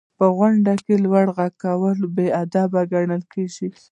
• په غونډو کې لوړ ږغ کول بې ادبي ګڼل کېږي.